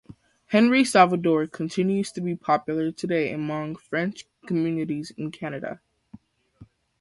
Henri Salvador continues to be popular today among French communities in Canada.